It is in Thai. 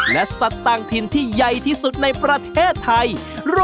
และสถังฐินที่ใยที่สุดในประเทศไทย